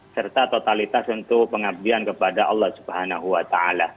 serta totalitas untuk pengabdian kepada allah swt